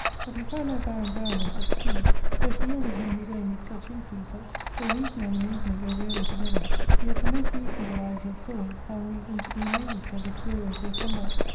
But he found no barren ground of such seed, for it yielded him his own with such increase that, though reason and amazement go rarely together, yet the most reasonable eyes that saw it found reason to be amazed at the fury of their combat.